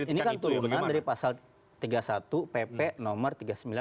ini kan turunan dari pasal tiga puluh satu pp nomor tiga puluh sembilan